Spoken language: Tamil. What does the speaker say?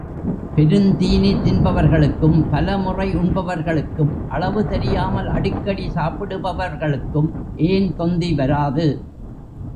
பெருந்தீனி தின்பவர்களுக்கும், பலமுறை உண்பவர்களுக்கும், அளவு தெரியாமல் அடிக்கடி சாப்பிடுபவர்களுக்கும் ஏன் தொந்தி வராது?